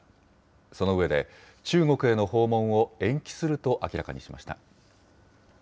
その上で、中国への訪問を延期すると明らかにしました。